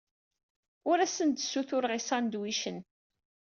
Ur asen-d-ssutureɣ isandwicen.